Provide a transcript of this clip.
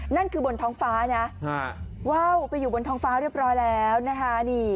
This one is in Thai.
นั่นคือบนท้องฟ้านะว่าวไปอยู่บนท้องฟ้าเรียบร้อยแล้วนะคะ